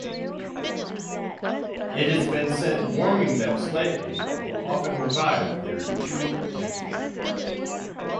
It has been said warming them slightly will often revive their chewy texture.